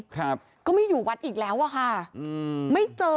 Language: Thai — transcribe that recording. ก็บอกเรามาได้นะ